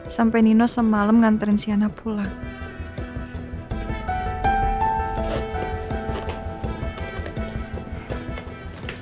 sampai nino semalem nganterin sianah pulang